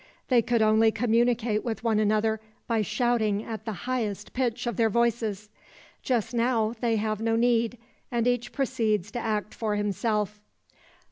They could only communicate with one another by shouting at the highest pitch of their voices. Just now they have no need, and each proceeds to act for himself.